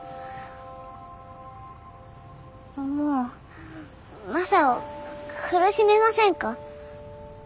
もうマサを苦しめませんか？